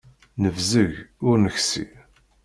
Nebzeg, ur neksi.